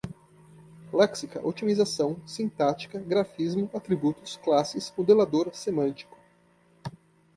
léxica, otimização, sintática, grafismo, atributos, classes, modelador, semântico